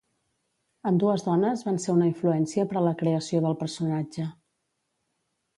Ambdues dones van ser una influència per a la creació del personatge.